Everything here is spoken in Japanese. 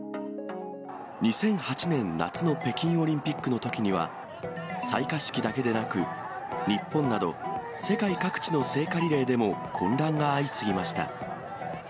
２００８年夏の北京オリンピックのときには、採火式だけでなく、日本など世界各地の聖火リレーでも混乱が相次ぎました。